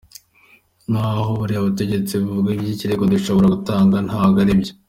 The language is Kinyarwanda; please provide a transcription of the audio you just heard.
Naho buriya butegetsi iyo buvuga iby’ikirego bushobora gutanga, ntabwo aribyo.